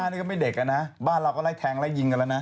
นี่ก็ไม่เด็กนะบ้านเราก็ไล่แทงไล่ยิงกันแล้วนะ